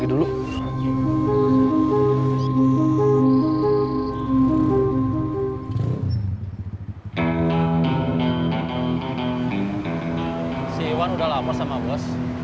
kamu dire sole